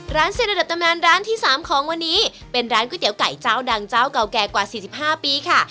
เส้นระดับตำนานร้านที่๓ของวันนี้เป็นร้านก๋วยเตี๋ยวไก่เจ้าดังเจ้าเก่าแก่กว่า๔๕ปีค่ะ